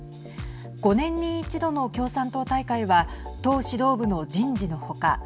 ５年に１度の共産党大会は党指導部の人事の他